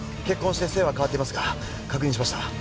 結婚して姓は変わっていますが確認しました。